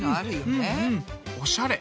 うんうんおしゃれ。